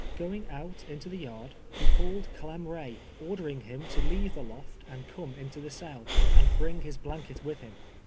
Going out into the yard, lie called Clem Ray, ordering him to leave the loft and come into the cell, and bring his blanket with him.